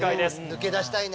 抜け出したいね。